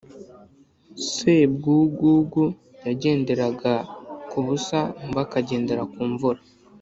Sebwugugu yagenderaga ku busa Nkuba akagendera ku mvura